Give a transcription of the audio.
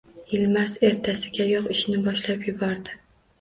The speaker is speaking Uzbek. Yilmaz ertasigayoq ishni boshlab yubordi.